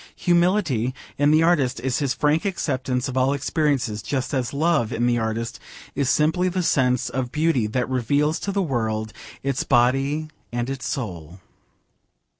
Humility in the artist is his frank acceptance of all experiences, just as love in the artist is simply the sense of beauty that reveals to the world its body and its soul.